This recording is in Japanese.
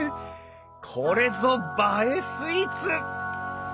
これぞ映えスイーツ！